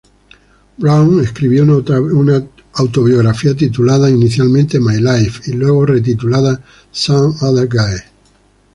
Brown escribió una autobiografía titulada inicialmente "My Life" y luego retitulada "Some Other Guy!